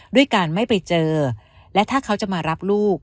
ด้วยการไม่ไปเจอและถ้าเขาจะมารับลูก